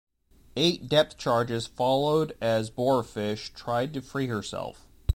Eight depth charges followed as "Boarfish" tried to free herself.